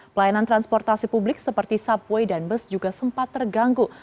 pelayanan transportasi publik seperti subway dan bus juga sempat terganggu